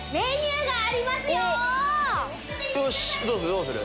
どうする？